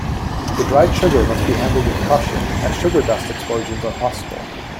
The dried sugar must be handled with caution, as sugar dust explosions are possible.